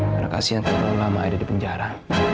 karena kasian terlalu lama aida di penjara